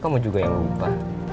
kamu juga yang lupa